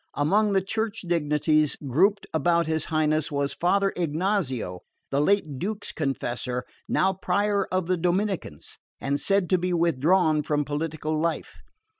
Among the Church dignities grouped about his Highness was Father Ignazio, the late Duke's confessor, now Prior of the Dominicans, and said to be withdrawn from political life.